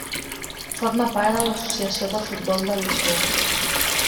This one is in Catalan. Forma part de l'Associació de Futbol de Lisboa.